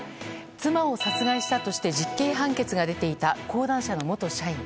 妻を殺害したとして実刑判決が出ていた講談社の元社員。